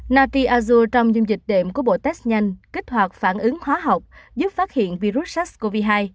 nati azu trong dung dịch đệm của bộ test nhanh kích hoạt phản ứng hóa học giúp phát hiện virus sars cov hai